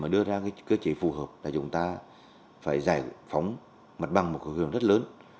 thì phù hợp là chúng ta phải giải phóng mặt bằng một cơ hội rất lớn